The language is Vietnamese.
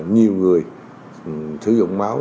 nhiều người sử dụng máu